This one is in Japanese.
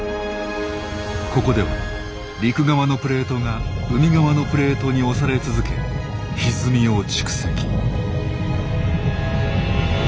ここでは陸側のプレートが海側のプレートに押され続けひずみを蓄積。